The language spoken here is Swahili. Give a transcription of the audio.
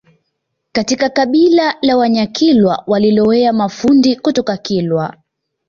Katika kabila la Vanyakilwa walilowea mafundi kutoka kilwa